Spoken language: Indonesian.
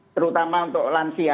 terutama untuk lansia